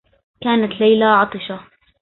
كانت ليلى عطشة.